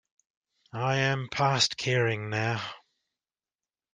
I am past caring now.